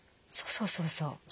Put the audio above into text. そうそうそうそう。